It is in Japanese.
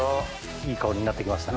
いい香りになってきましたね。